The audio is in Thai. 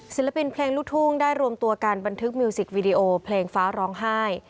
ศิลปินเพลงลูกทุ่งได้รวมตัวกันบันทึกมิวสิกวีดีโอเพลงฟ้าร้องไห้